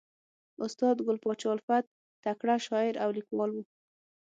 استاد ګل پاچا الفت تکړه شاعر او لیکوال ؤ.